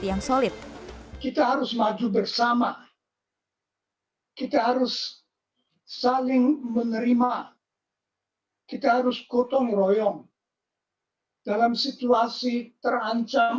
yang solid kita harus maju bersama kita harus saling menerima kita harus gotong royong dalam situasi terancam